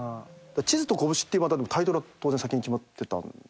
『地図と拳』っていうタイトルは当然先に決まってたんですね。